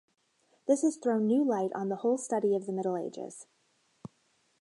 This has thrown new light on the whole study of the Middle Ages.